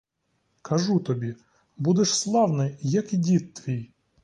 Кажу тобі, будеш славний, як і дід твій!